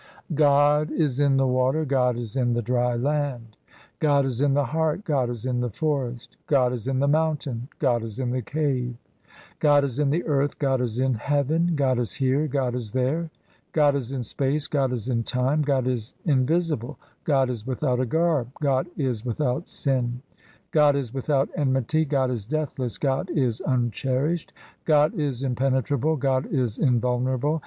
God is in the water, God is in the dry land, God is in the heart, God is in the forest, God is in the mountain, God is in the cave, God is in the earth, God is in heaven, God is here, God is there, God is in space, God is in time, God is invisible, God is without a garb, God is without sin, God is without enmity, God is deathless, God is uncherished, God is impenetrable, God is invulnerable.